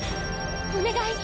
お願い！